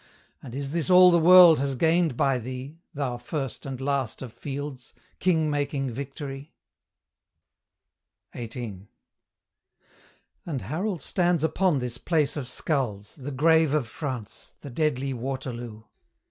And is this all the world has gained by thee, Thou first and last of fields! king making Victory? XVIII. And Harold stands upon this place of skulls, The grave of France, the deadly Waterloo!